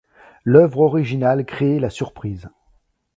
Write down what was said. L'œuvre originale crée la surprise.